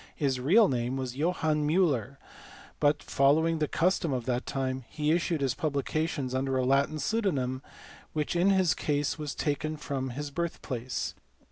His real name was Johannes Muller, but, following the custom of that time, he issued his publications under a Latin pseudonym which in his case was taken from his birthplace.